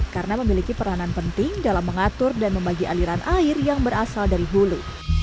karena memiliki peranan penting dalam mengatur dan membagi aliran air yang berasal dari hulu